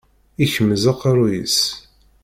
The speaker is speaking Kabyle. Ikemmez aqerruy-is.